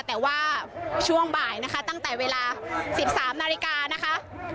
แต่ว่าช่วงบ่ายนะคะตั้งแต่เวลา๑๓นาฬิกานะคะ